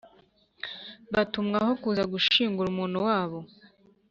Batumwaho kuza gushingura umuntu wabo